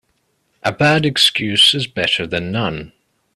A bad excuse is better then none.